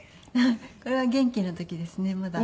これは元気な時ですねまだ。